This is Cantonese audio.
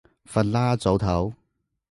瞓啦，早唞